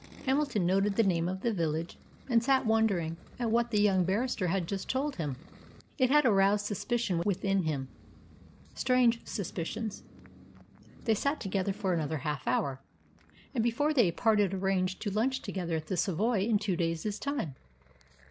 Hamilton noted the name of the village, and sat wondering at what the young barrister had just told him. It had aroused suspicions within him strange suspicions. They sat together for another half hour, and before they parted arranged to lunch together at the Savoy in two days' time.